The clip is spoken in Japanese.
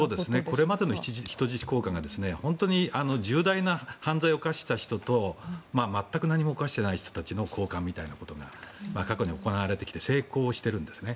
これまでの人質交換が本当に重大な犯罪を犯した人と全く何も犯してない人たちの交換みたいなことが過去に行われてきて成功しているんですね。